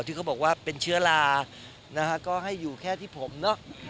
ที่เขาบอกว่าเป็นเชื้อรานะฮะก็ให้อยู่แค่ที่ผมเนอะ